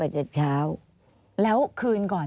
อันดับ๖๓๕จัดใช้วิจิตร